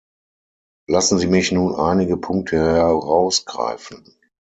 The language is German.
Lassen Sie mich nun einige Punkte herausgreifen.